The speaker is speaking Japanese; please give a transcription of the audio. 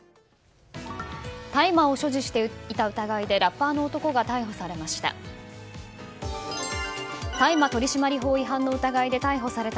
大麻を所持していた疑いでラッパーの男が逮捕されました。